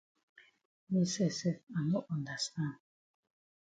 Me sef sef I no understand.